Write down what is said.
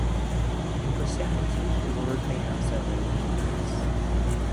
In Christianity, the word may have several meanings.